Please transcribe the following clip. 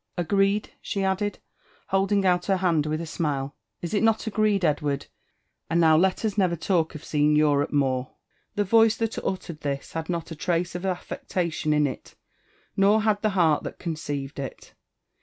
— Agt^e^ T' she added, holding out her hand wilh a smile ;*' is it not agreed, Ed ward ?— And now let us never talk of seeing Europe naore/' The voice that uttered this had set alratte of afiiBclationinft, nor had 4b^ (leart fliat conceited it.